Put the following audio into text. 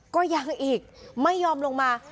ก็ยังอีกไม่ยอมลงมา